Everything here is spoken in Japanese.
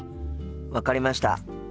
分かりました。